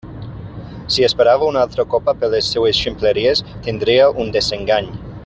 Si esperava una altra copa per les seues ximpleries, tindria un desengany!